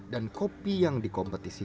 dan kopi yang diberikan oleh pemeran kopi